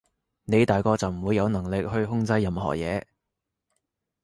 你大個就唔會有能力去控制任何嘢